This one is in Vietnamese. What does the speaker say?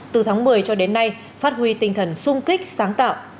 từ tháng một mươi cho đến nay phát huy tinh thần sung kích sáng tạo